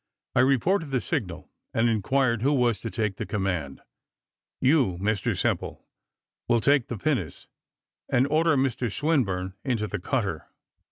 I reported the signal, and inquired who was to take the command. "You, Mr Simple, will take the pinnace, and order Mr Swinburne into the cutter."